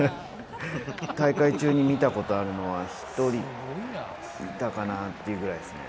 大会中に見たことあるのは、１人いたかなっていうぐらいですね。